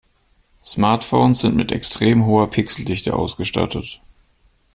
Smartphones sind mit extrem hoher Pixeldichte ausgestattet.